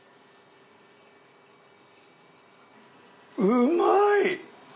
うまい。